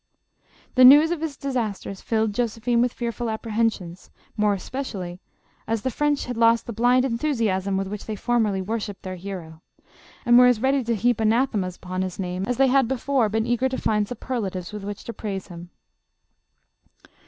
The news of his disasters filled Josephine with fear ful apprehensions, more especially as the French had 264 JOSEPHINE. lost the blind enthusiasm with which they formerly worshipped their hero, and were as ready to heap an athemas upon his name, as they had before been eager to find superlatives with which to praise him.